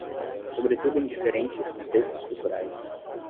Sobretudo em diferentes contextos culturais